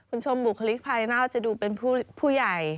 ชมบุคลิกภายนอกจะดูเป็นผู้ใหญ่